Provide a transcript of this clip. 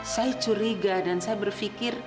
saya curiga dan saya berpikir